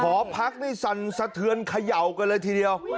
หอพักนี่สั่นสะเทือนเขย่ากันเลยทีเดียว